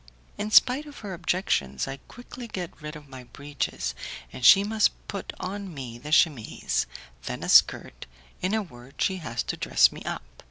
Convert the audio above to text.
In spite of her objections I quickly get rid of my breeches, and she must put on me the chemise, then a skirt, in a word she has to dress me up.